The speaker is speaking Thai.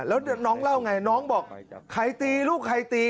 แล้วน้องเล่าไงน้องบอกใครตีลูกใครตี